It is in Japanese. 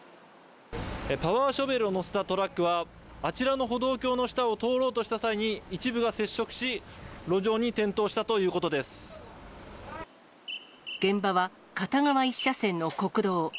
パワーショベルを載せたトラックは、あちらの歩道橋の下を通ろうとした際に一部が接触し、現場は、片側１車線の国道。